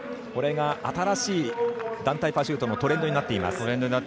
新しい団体パシュートのトレンドになっています。